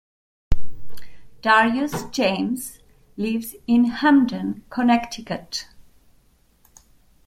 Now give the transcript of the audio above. Darius James lives in Hamden, Connecticut.